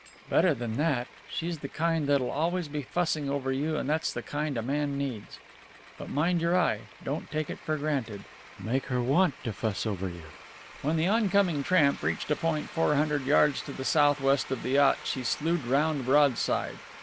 "Better than that. She's the kind that'll always be fussing over you, and that's the kind a man needs. But mind your eye! Don't take it for granted! Make her want to fuss over you." When the oncoming tramp reached a point four hundred yards to the southwest of the yacht she slued round broadside.